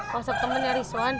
whatsapp temen dari liswan